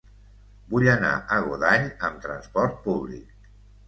Vull anar a Godall amb trasport públic.